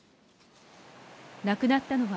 亡くなったのは、